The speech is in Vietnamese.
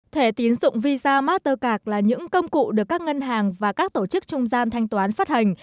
thẻ tín dụng visa mastercard là những công cụ được các ngân hàng và các tổ chức trung gian thanh toán phát hành